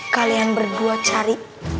kalian berdua cari